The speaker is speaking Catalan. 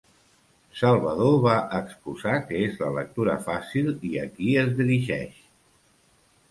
Salvador va exposar què és la lectura fàcil i a qui es dirigeix.